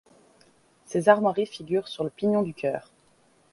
Ses armoiries figurent sur le pignon du chœur.